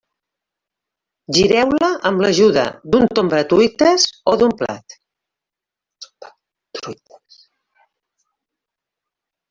Gireu-la amb l'ajuda d'un tombatruites o d'un plat.